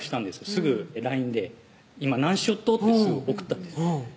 すぐＬＩＮＥで「いま何しよっと？」ってすぐ送ったんですそ